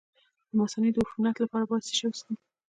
د مثانې د عفونت لپاره باید څه شی وڅښم؟